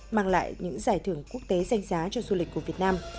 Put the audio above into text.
mang lại những giải thưởng quốc tế danh giá cho du lịch của việt nam